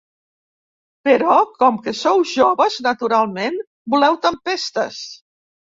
Però, com que sou joves, naturalment voleu tempestes.